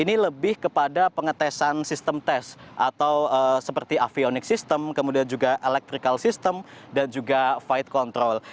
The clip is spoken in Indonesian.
ini lebih kepada pengetesan sistem tes atau seperti avionik sistem kemudian juga electrical system dan juga flight control